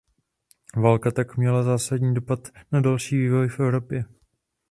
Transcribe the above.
Válka tak měla zásadní dopad na další vývoj v Evropě.